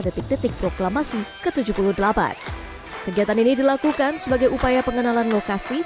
detik detik proklamasi ke tujuh puluh delapan kegiatan ini dilakukan sebagai upaya pengenalan lokasi